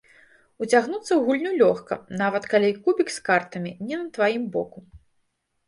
Уцягнуцца ў гульню лёгка, нават калі кубік з карткамі не на тваім боку.